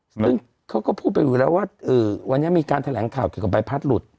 ซึ่งเขาก็พูดไปอยู่แล้วว่าวันนี้มีการแถลงข่าวเกี่ยวกับใบพัดหลุด